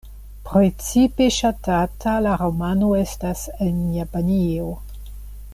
Precipe ŝatata la romano estas en Japanio.